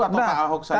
atau pak ahok saja bebas